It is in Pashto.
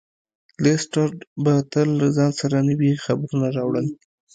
لیسټرډ به تل له ځان سره نوي خبرونه راوړل.